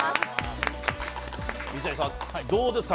水谷さん、どうですか？